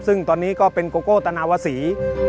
ซึ่งตอนนี้ก็เป็นโกโก้ตนาวศรี